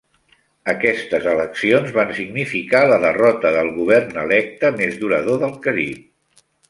Aquestes eleccions van significar la derrota del govern electe més durador del Carib.